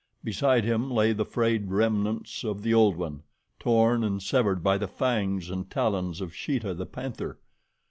Beside him lay the frayed remnants of the old one, torn and severed by the fangs and talons of Sheeta, the panther.